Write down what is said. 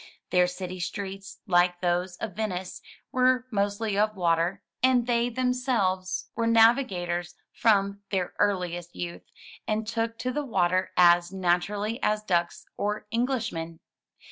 Their city streets, like those of Venice, were mostly of water, and they themselves were ii8 THROUGH FAIRY HALLS navigators from their earliest youth, and took to the water as naturally as ducks or Englishmen.